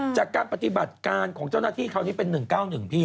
จากการปฏิบัติการของเจ้าหน้าที่คราวนี้เป็น๑๙๑พี่